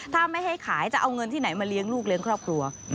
ถ้าไม่ให้ขายจะเอาเงินที่ไหนมาเลี้ยงลูกเลี้ยงครอบครัว